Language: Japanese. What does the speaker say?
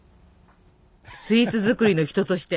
スイーツ作りの人として。